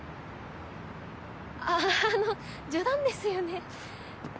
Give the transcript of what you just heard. あぁあの冗談ですよね？